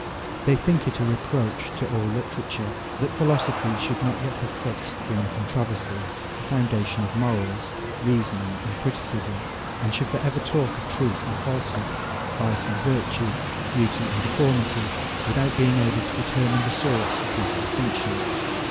They think it a reproach to all literature, that philosophy should not yet have fixed, beyond controversy, the foundation of morals, reasoning, and criticism; and should for ever talk of truth and falsehood, vice and virtue, beauty and deformity, without being able to determine the source of these distinctions.